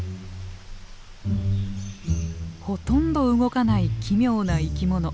ほとんど動かない奇妙な生き物。